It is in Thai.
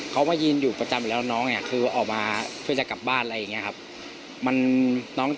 เขาก็ยืนอยู่ประจำอยู่แล้วน้องเนี่ยคือออกมาเพื่อจะกลับบ้านอะไรอย่างนี้ครับ